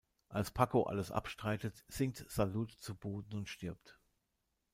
Als Paco alles abstreitet, sinkt Salud zu Boden und stirbt.